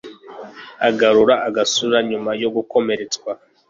agarura agasura nyuma yo gukomeretswa